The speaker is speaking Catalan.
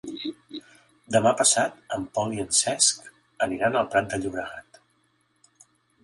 Demà passat en Pol i en Cesc aniran al Prat de Llobregat.